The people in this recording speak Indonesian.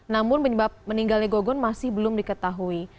namun penyebab meninggalnya gogon masih belum diketahui